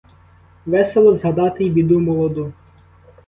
Весело згадати й біду молоду.